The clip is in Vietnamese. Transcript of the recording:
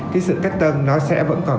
cái sự cách tân nó sẽ vẫn còn